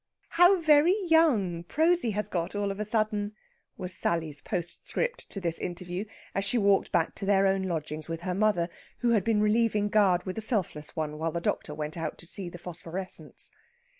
"How very young Prosy has got all of a sudden!" was Sally's postscript to this interview, as she walked back to their own lodgings with her mother, who had been relieving guard with the selfless one while the doctor went out to see the phosphorescence.